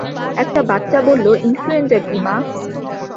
একটা বাচ্চা বলল, ইনফ্লুয়েঞ্জা কী মা?